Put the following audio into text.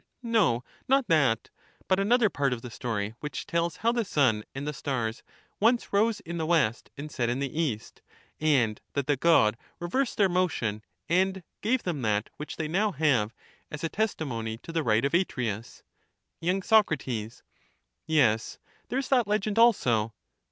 No, not that; but another part of the story, which We have tells how the sun and the stars once rose in the west, and ^^^^^^^ set in the east, and that the god reversed their motion, and of it, such gave them that which they now have as a testimony to the ^^^\.. right of Atreus. the moUon y. Soc. Yes ; there is that legend also.